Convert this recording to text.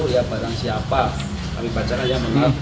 ya barang siapa kami bacakan ya